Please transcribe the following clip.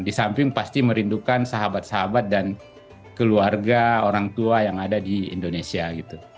di samping pasti merindukan sahabat sahabat dan keluarga orang tua yang ada di indonesia gitu